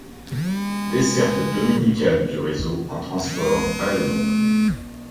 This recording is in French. Desserte dominicale du réseau en transport à la demande.